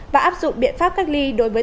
và áp dụng biện pháp cách ly đối với